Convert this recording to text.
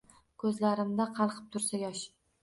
Kuzlarimda qalqib tursa yosh